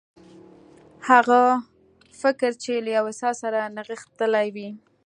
هغه فکر چې له يوه احساس سره نغښتي وي.